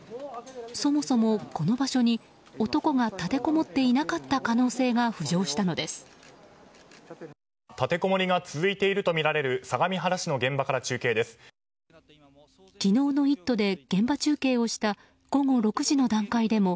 そもそも、この場所に男が立てこもっていなかった可能性が浮上したのです。